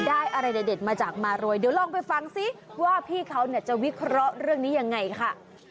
ได้อะไรเด็ดมาจากมารวยเดี๋ยวลองไปฟังซิว่าพี่เขาจะวิเคราะห์เรื่องนี้ยังไงค่ะ